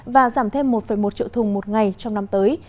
và giảm thêm một một triệu thùng một ngày trong năm tới